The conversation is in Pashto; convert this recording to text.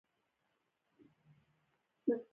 استالف ولې د کلالۍ لپاره مشهور دی؟